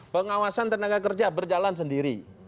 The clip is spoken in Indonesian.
pengawasan tenaga kerja berjalan sendiri